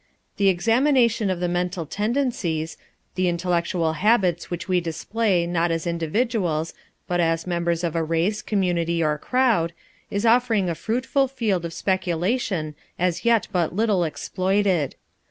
The examination of the mental tendencies, the intellectual habits which we display not as individuals, but as members of a race, community, or crowd, is offering a fruitful field of speculation as yet but little exploited.